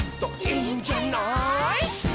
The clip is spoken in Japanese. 「いいんじゃない」